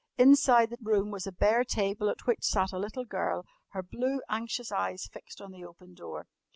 Inside the room was a bare table at which sat a little girl, her blue, anxious eyes fixed on the open door.